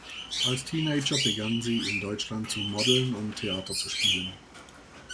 Als Teenager begann sie in Deutschland zu modeln und Theater zu spielen.